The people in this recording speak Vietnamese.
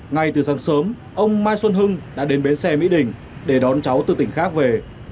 ngay từ sáng sớm ông mai xuân hưng đã đến bến xe mỹ đình để đón cháu từ tỉnh khác về